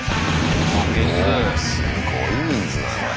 おすごい人数だねこれ。